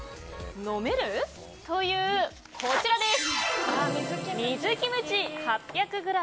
飲める？というこちらです。